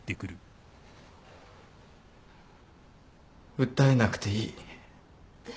訴えなくていい。